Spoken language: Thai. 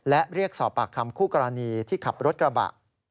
และเรียกสอบปากคำคู่กรณีที่ขับรถกระบะ